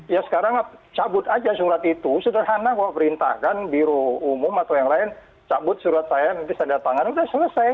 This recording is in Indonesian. ya sekarang cabut aja surat itu sederhana kok perintahkan biro umum atau yang lain cabut surat saya nanti saya datangin udah selesai